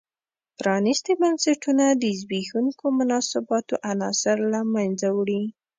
پرانیستي بنسټونه د زبېښونکو مناسباتو عناصر له منځه وړي.